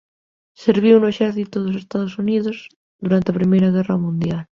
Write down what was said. Serviu no exército dos Estados Unidos durante a primeira guerra mundial.